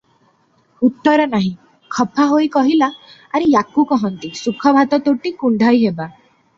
ଉତ୍ତର ନାହିଁ, ଖପା ହୋଇ କହିଲା, "ଆରେ ୟାକୁ କହନ୍ତି, ସୁଖ ଭାତ ତୋଟି କୁଣ୍ତାଇ ହେବା ।"